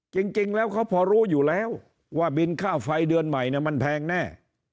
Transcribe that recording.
จริงแล้วเขาพอรู้อยู่แล้วว่าบินค่าไฟเดือนใหม่มันแพงแน่